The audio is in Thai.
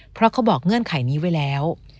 เพราะเขาบอกเงื่อนไขนี้ไว้แล้ว